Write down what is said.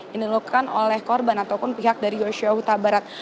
yang dilakukan oleh korban ataupun pihak dari yoshua huta barat